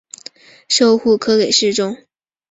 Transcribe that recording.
授户科给事中。